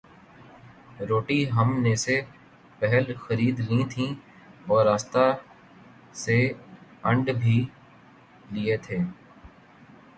روٹی ہم نے سے پہل خرید لیں تھیں اور راستہ سےانڈ بھی ل تھے